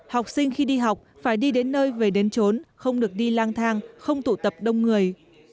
học sinh khi đi học phải đi đến nơi về đến trốn không được đi lang thang không tụ tập đông người